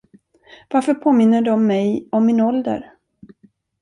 Varför påminner de mig om min ålder?